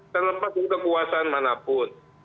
terlepas dari kekuasaan manapun